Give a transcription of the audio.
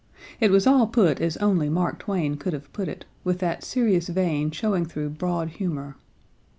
It was all put as only Mark Twain could have put it, with that serious vein showing through broad humour.